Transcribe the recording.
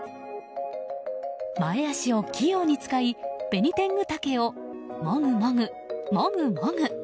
前脚を器用に使いベニテングタケをもぐもぐ、もぐもぐ。